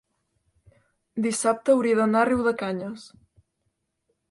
dissabte hauria d'anar a Riudecanyes.